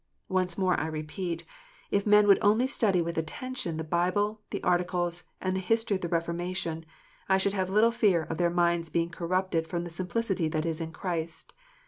Once more I repeat, if men would only study with attention the Bible, the Articles, and the History of the Reformation, I should have little fear of their " minds being corrupted from the simplicity that is in Christ."